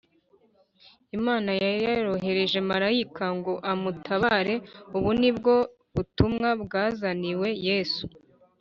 , Imana yari yohereje Marayika ngo amutabare; ubu nibwo butumwa bwazaniwe Yesu.